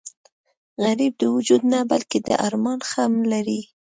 غریب د وجود نه بلکې د ارمان غم لري